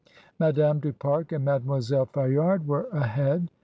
Madame du Pare and Mademoiselle Fayard were ahead.